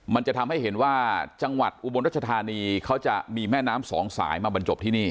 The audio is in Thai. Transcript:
มันจะทำให้เห็นว่าจังหวัดอุบลรัชธานีเขาจะมีแม่น้ำสองสายมาบรรจบที่นี่